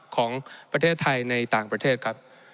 ของประเทศไทยในต่างประเทศครับ